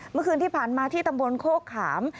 เมื่อคืนที่ผ่านมาที่ตำบลโคกขาม